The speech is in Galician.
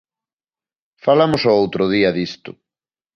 Falamos o outro día disto.